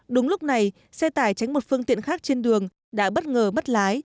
đúng lúc này xe tải tránh một phương tiện khác trên đường đã bất ngờ bất lái